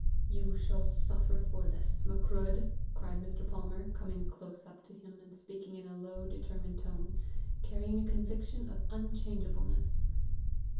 "You shall suffer for this, Macruadh!" cried Mr. Palmer, coming close up to him, and speaking in a low, determined tone, carrying a conviction of unchangeableness.